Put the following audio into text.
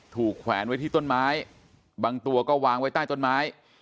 แขวนไว้ที่ต้นไม้บางตัวก็วางไว้ใต้ต้นไม้